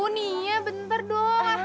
nia bentar dong